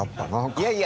いやいや。